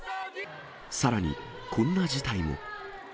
さらに、こんな事態も。